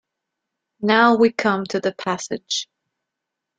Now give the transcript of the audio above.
Now we come to the passage.